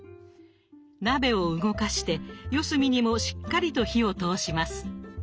鍋を動かして四隅にもしっかりと火を通します。